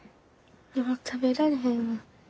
もう食べられへんわ。